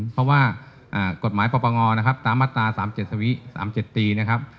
เพราะว่ากฎหมายปปงนะครับตามมาตรา๓๗สวิ๓๗ปีนะครับ